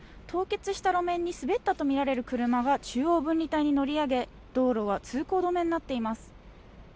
凍結した路面に滑ったとみられる車が中央分離帯に乗り上げ道路は通行止めになっています。